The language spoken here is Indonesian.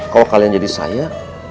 kalau kalian jadi saya